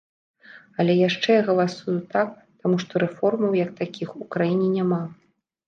Але яшчэ я галасую так, таму што рэформаў, як такіх, у краіне няма.